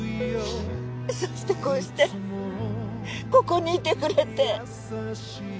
そしてこうしてここにいてくれて。